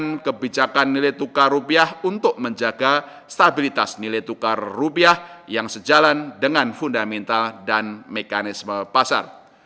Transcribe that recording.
dengan kebijakan nilai tukar rupiah untuk menjaga stabilitas nilai tukar rupiah yang sejalan dengan fundamental dan mekanisme pasar